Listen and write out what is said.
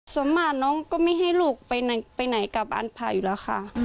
สมหัสน้องก็ไม่ให้ลูกไปไหนกับอาผะอยู่แล้วค่ะ